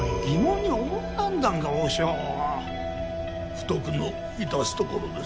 不徳の致すところです。